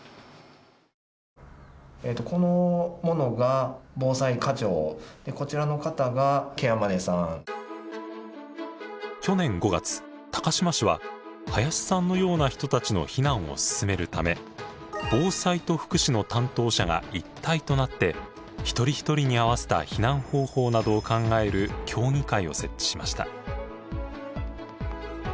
この者がこちらの方が去年５月高島市は林さんのような人たちの避難を進めるため防災と福祉の担当者が一体となって一人一人に合わせた避難方法などを考える協議会を設置しました。